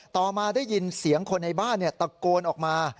ต่อมาได้ยินเสียงคนในบ้านตะโกนออกมา